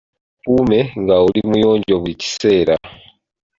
Weekuume ng'oli muyonjo buli kiseera.